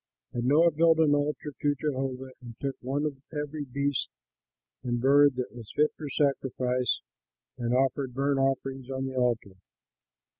And Noah built an altar to Jehovah and took one of every beast and bird that was fit for sacrifice and offered burnt offerings on the altar.